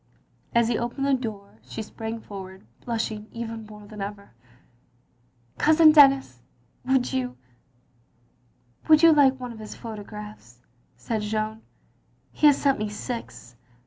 As he opened the door she sprang forward, blushing even more than ever. "Cousin Denis — ^would you — wovHd you like one of his photographs?" said Jeanne. "He has sent me six.